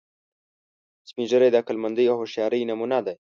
سپین ږیری د عقلمندۍ او هوښیارۍ نمونه دي